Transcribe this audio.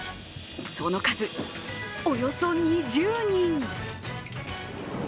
その数およそ２０人。